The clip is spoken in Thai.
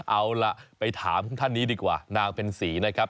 เอาล่ะไปถามท่านนี้ดีกว่านางเพ็ญศรีนะครับ